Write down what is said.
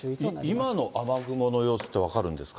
今の雨雲の様子って分かるんですか？